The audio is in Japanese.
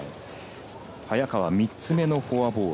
早川、３つ目のフォアボール。